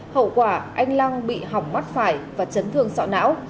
hậu quả anh long bị hỏng mắt phải và chấn thương sọ não